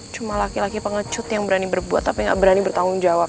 cuma laki laki pengecut yang berani berbuat tapi nggak berani bertanggung jawab